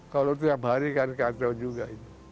kalau tiap hari kan kacau juga